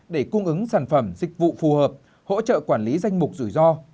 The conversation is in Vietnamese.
để cung ứng sản phẩm dịch vụ phù hợp hỗ trợ quản lý danh mục rủi ro